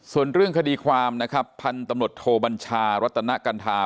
ส่วนเรื่องคดีความนะครับพันธุ์ตำรวจโทบัญชารัตนกัณฑา